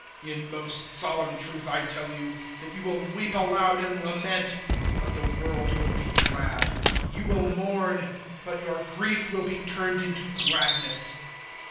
016:020 In most solemn truth I tell you that you will weep aloud and lament, but the world will be glad. You will mourn, but your grief will be turned into gladness.